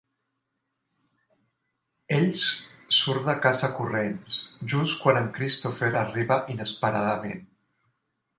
Ells surt de casa corrents, just quan en Christopher arriba inesperadament.